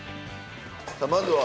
さあまずは？